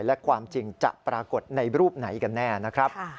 และความจริงจะปรากฏในรูปไหนกันแน่นะครับ